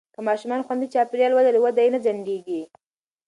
که ماشومان خوندي چاپېریال ولري، وده یې نه ځنډېږي.